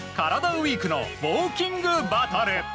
ＷＥＥＫのウォーキングバトル。